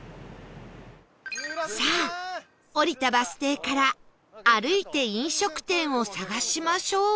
さあ降りたバス停から歩いて飲食店を探しましょう